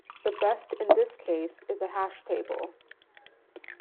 The best in this case is a hash table.